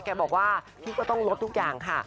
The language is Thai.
แกบอกว่าพี่ก็ต้องลดทุกอย่างค่ะ